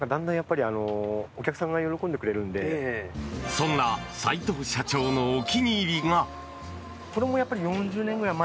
そんな齋藤社長のお気に入りが。